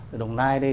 ở đồng nai đây